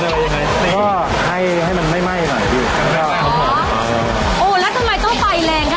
จะได้ไปเติมใหม่มีเทคนิคอะไรมั้ยครับพี่ในการผัดกับโยนอะไรยังไง